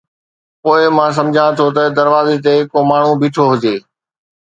پوءِ مان سمجهان ٿو ته دروازي تي ڪو ماڻهو بيٺو هجي